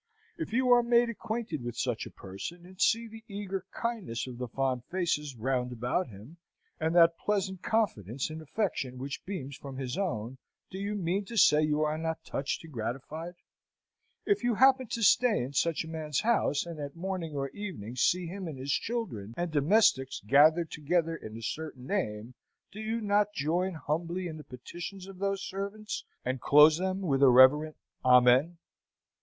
If you are made acquainted with such a person, and see the eager kindness of the fond faces round about him, and that pleasant confidence and affection which beams from his own, do you mean to say you are not touched and gratified? If you happen to stay in such a man's house, and at morning or evening see him and his children and domestics gathered together in a certain name, do you not join humbly in the petitions of those servants, and close them with a reverent Amen?